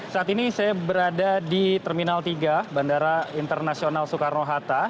saat ini saya berada di terminal tiga bandara internasional soekarno hatta